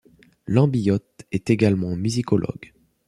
Lambillotte est également musicologue.